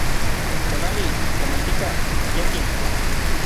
tonali, kemantika, yekin